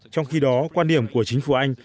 trong khi đó quan điểm của chính phủ anh